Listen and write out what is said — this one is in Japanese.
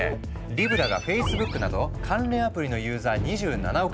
リブラがフェイスブックなど関連アプリのユーザー２７億